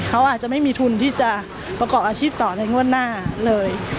เขาอาจจะไม่มีทุนที่จะประกอบอาชีพต่อในงวดหน้าเลย